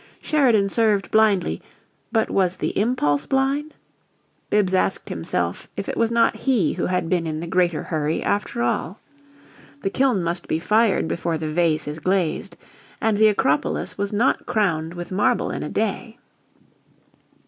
Sheridan served blindly but was the impulse blind? Bibbs asked himself if it was not he who had been in the greater hurry, after all. The kiln must be fired before the vase is glazed, and the Acropolis was not crowned with marble in a day.